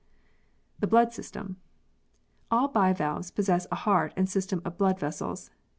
The Blood System. All bivalves possess a heart and system of blood vessels.